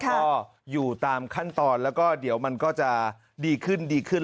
ก็อยู่ตามขั้นตอนแล้วก็เดี๋ยวมันก็จะดีขึ้นดีขึ้น